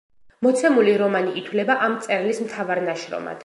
მოცემული რომანი ითვლება ამ მწერლის მთავარ ნაშრომად.